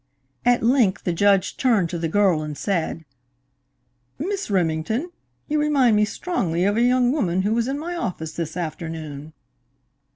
At length the Judge turned to the girl and said: "Miss Remington, you remind me strongly of a young woman who was in my office this afternoon."